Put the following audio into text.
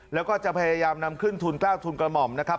แล้วก็จะพยายามนำขึ้นทุน๙ทุนกระหม่อมนะครับ